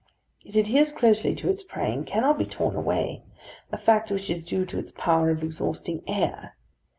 It adheres closely to its prey, and cannot be torn away; a fact which is due to its power of exhausting air.